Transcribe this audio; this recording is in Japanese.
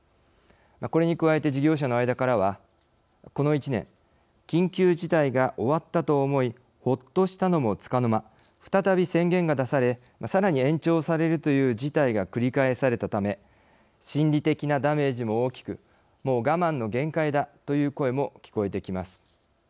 これに加えて、事業者の間からはこの１年緊急事態が終わったと思いほっとしたのもつかの間再び宣言が出されさらに延長されるという事態が繰り返されたため心理的なダメージも大きくもう我慢の限界だという声も聞こえてきます。